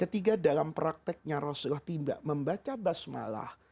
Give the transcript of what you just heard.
ketiga dalam prakteknya rasulullah membaca basmalah